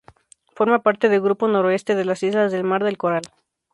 Forma parte del Grupo Noroeste de las Islas del Mar del Coral.